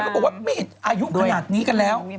นางก็บอกว่าบิ๋อายุขนาดนี้กันแล้ว